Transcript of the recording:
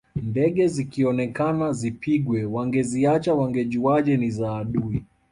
Ndege zikionekana zipigwe wangeziacha wangejuaje ni za adui